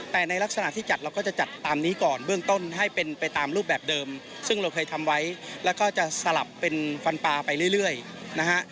แต่ในลักษณะที่จัดเราก็จะจัดตามนี้ก่อนเบื้องต้นให้เป็นไปตามรูปแบบเดิมซึ่งเราเคยทำไว้แล้วก็จะสลับเป็นฟันปลาไปเรื่อยนะฮะ